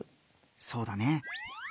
そうだね。